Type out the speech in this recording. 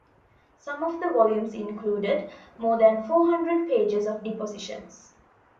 Some of the volumes included more than four hundred pages of depositions...